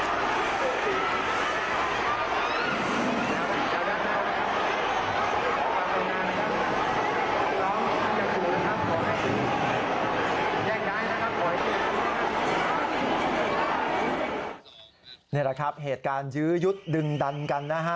นี่แหละครับเหตุการณ์ยื้อยุดดึงดันกันนะฮะ